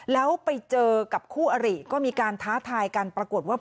แล้วไปเจอกับคู่อะหรี่มีการท้าทายการปรากวดว่า